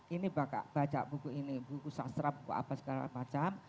ini baca buku ini buku sastra buku apa segala macam